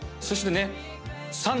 そしてね。